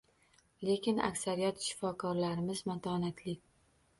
Lekin aksariyat shifokorlarimiz matonatli